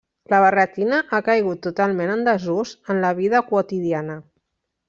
La barretina ha caigut totalment en desús en la vida quotidiana.